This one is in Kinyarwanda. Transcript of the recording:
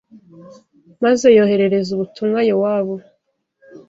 maze yoherereza ubutumwa Yowabu